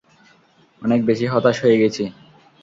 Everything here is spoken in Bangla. অনেক বেশি হতাশ হয়ে গেছি।